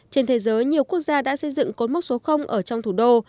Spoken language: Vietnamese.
trên thế giới nhiều quốc gia đã xây dựng cột mốc số ở trong thủ đô